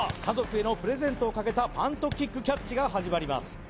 家族へのプレゼントをかけたパントキックキャッチが始まります